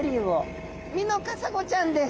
ミノカサゴちゃんです。